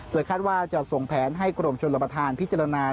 คาดว่าจะส่งแผนให้กรมชนรับประทานพิจารณา